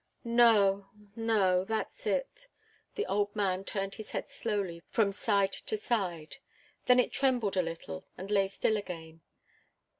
"No no that's it." The old man turned his head slowly from side to side. Then it trembled a little and lay still again.